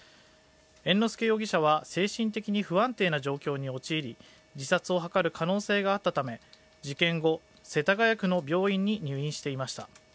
猿之助容疑者は、精神的に不安定な状態に陥り、自殺を図る可能性があったため事件後、世田谷区の病院に入院していました。